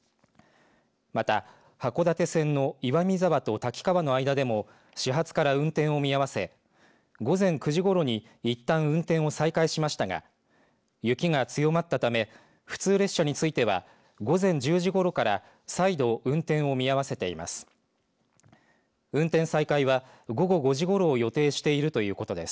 また、函館線の岩見沢と滝川の間でも始発から運転を見合わせ午前９時ごろにいったん運転を再開しましたが雪が強まったため普通列車については午前１０時ごろから再度、運転を見合わせています。